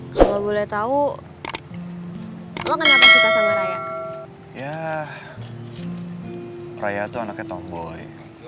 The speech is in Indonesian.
kalau boleh tahu lo kenapa suka sama raya ya raya tuh anaknya tomboy